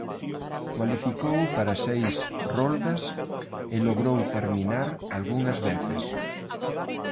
Cualificou para seis roldas e logrou terminar algunhas veces.